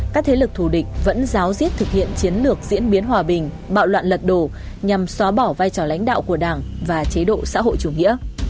các thế lực thù địch vẫn giáo diết thực hiện chiến lược diễn biến hòa bình bạo loạn lật đổ nhằm xóa bỏ vai trò lãnh đạo của đảng và chế độ xã hội chủ nghĩa